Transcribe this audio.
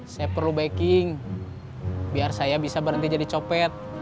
saya perlu backing biar saya bisa berhenti jadi copet